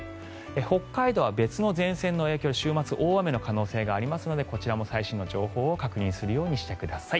北海道は別の前線の影響で週末、大雨の可能性がありますのでこちらも最新の情報を確認するようにしてください。